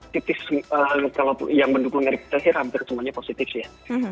sebenarnya yang mendukung eric thauhir hampir semuanya positif ya